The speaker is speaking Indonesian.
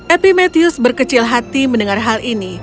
epimetheus berkecil hati mendengar hal ini